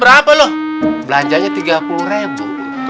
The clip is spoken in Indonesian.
kembaliannya rp empat puluh lima iya pak